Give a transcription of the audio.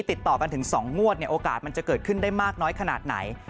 ติดต่อกันถึง๒งวดเนี่ยโอกาสมันจะเกิดขึ้นได้มากน้อยขนาดไหน